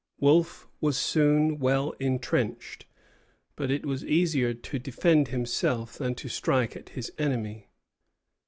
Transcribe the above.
Wolfe was soon well intrenched; but it was easier to defend himself than to strike at his enemy.